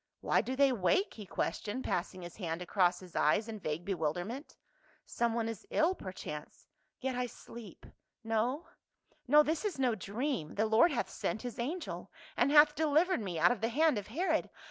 " Why do they wake?" he questioned, passing his hand across his eyes in vague bewilderment. " Someone is ill, per chance. Yet I sleep. No — no, this is no dream ; the Lord hath sent his angel and hath delivered me out of the hand of Herod.